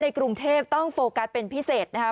กรุงเทพต้องโฟกัสเป็นพิเศษนะคะ